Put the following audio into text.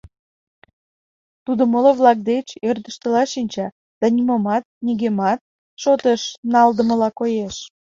Тудо моло-влак деч ӧрдыжтыла шинча да нимомат, нигӧмат шотыш налдымыла коеш.